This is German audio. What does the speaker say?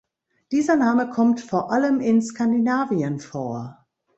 Dieser Name kommt vor allem in Skandinavien vor.